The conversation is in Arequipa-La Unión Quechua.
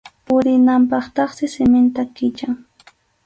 Purinanpaqtaqsi siminta kichan.